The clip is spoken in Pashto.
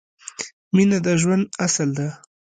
مینه د ژوند اصل ده